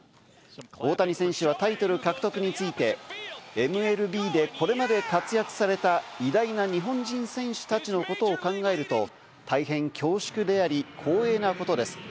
大谷選手はタイトル獲得についてＭＬＢでこれまで活躍された偉大な日本人選手たちのことを考えると大変恐縮であり、光栄なことです。